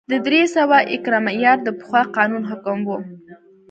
د درې سوه ایکره معیار د پخوا قانون حکم و